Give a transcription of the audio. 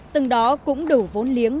từng đó cũng đủ vốn liếng